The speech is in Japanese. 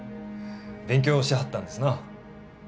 勉強しはったんですな。